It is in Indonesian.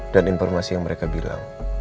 dan informasi yang mereka bilang